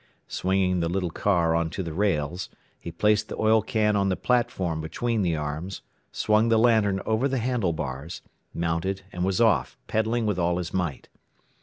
Swinging the little car onto the rails, he placed the oil can on the platform between the arms, swung the lantern over the handlebars, mounted, and was off, pedalling with all his might.